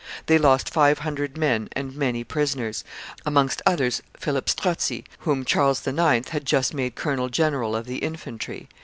They lost five hundred men and many prisoners, amongst others Philip Strozzi, whom Charles IX. had just made colonel general of the infantry.